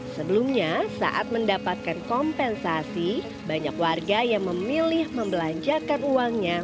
sebelumnya saat mendapatkan kompensasi banyak warga yang memilih membelanjakan uangnya